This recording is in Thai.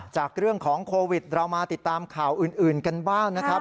จากเรื่องของโควิดเรามาติดตามข่าวอื่นกันบ้างนะครับ